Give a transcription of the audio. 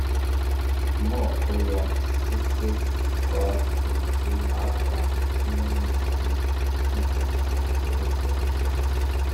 Amoko ya Hutu-Twa-Tutsi n'asanzwe cumi n’umunani n'ukuntu asobekeranye;